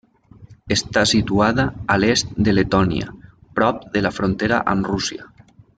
Està situada a l'est de Letònia prop de la frontera amb Rússia.